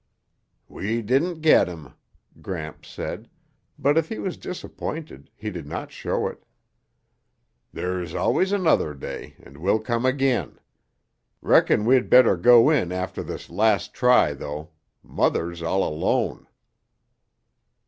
"We didn't get him," Gramps said, but if he was disappointed he did not show it. "There's always another day and we'll come again. Reckon we'd better go in after this last try, though. Mother's all alone."